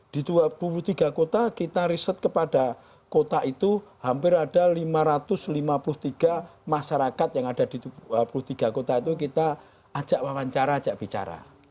di dua puluh tiga kota kita riset kepada kota itu hampir ada lima ratus lima puluh tiga masyarakat yang ada di dua puluh tiga kota itu kita ajak wawancara ajak bicara